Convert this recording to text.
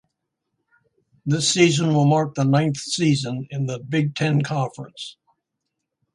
This season will mark the ninth season in the Big Ten Conference.